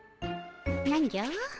何じゃ？